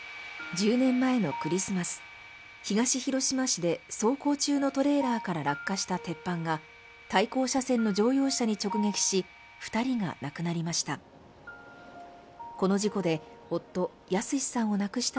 １０年前のクリスマス、東広島市で走行中のトレーラーから落下した鉄板が対向車線の乗用車に直撃し２人が亡くなりました。